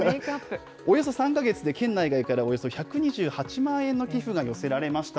およそ３か月で県内外からおよそ１２８万円の寄付が寄せられました。